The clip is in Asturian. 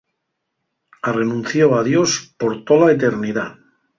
Arrenuncio a Dios por tola eternidá.